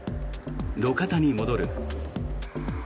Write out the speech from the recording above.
路肩に戻る。